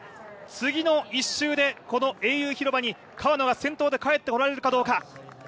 次の１周でこの英雄広場に川野が先頭で帰ってこられるかどうか。